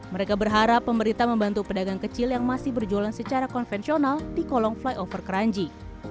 mereka berharap pemerintah membantu pedagang kecil yang masih berjualan secara konvensional di kolong flyover keranji